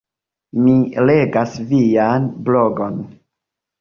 Mi legas vian blogon